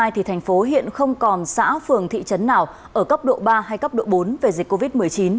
thành phố hiện không còn xã phường thị trấn nào ở cấp độ ba hay cấp độ bốn về dịch covid một mươi chín